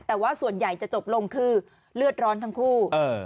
แต่ว่าส่วนใหญ่จะจบลงคือเลือดร้อนทั้งคู่